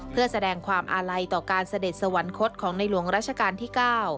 เพื่อแสดงความอาลัยต่อการเสด็จสวรรคตของในหลวงราชการที่๙